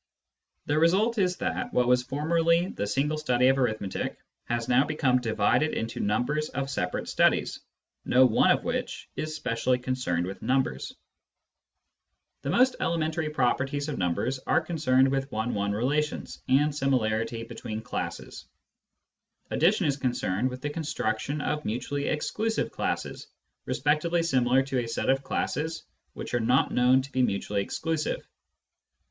The result is that what was formerly the single study of Arithmetic has now become divided into numbers of separate studies, no one of which is specially concerned with numbers. The most 196 Introduction to Mathematical Philosophy elementary properties of numbers are concerned with one one relations, and similarity between classes. Addition is concerned with, the construction of mutually exclusive classes respectively similar to a set of classes which are not known to be mutually exclusive.